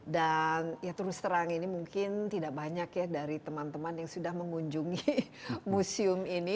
dan ya terus terang ini mungkin tidak banyak ya dari teman teman yang sudah mengunjungi museum ini